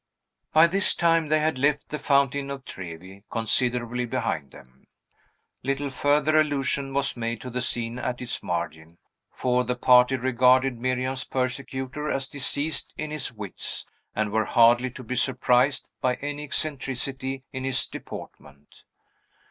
By this time, they had left the Fountain of Trevi considerably behind them. Little further allusion was made to the scene at its margin; for the party regarded Miriam's persecutor as diseased in his wits, and were hardly to be surprised by any eccentricity in his deportment.